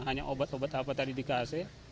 hanya obat obat apa tadi dikasih